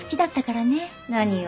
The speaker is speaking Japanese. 何よ。